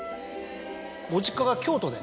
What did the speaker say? ご実家が京都で。